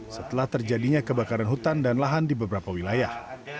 setelah terjadinya kebakaran hutan dan lahan di beberapa wilayah